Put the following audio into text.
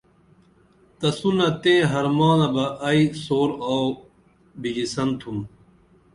تسونہ تئیں حرمانہ بہ ائی سور آوو بِژِسن تُھم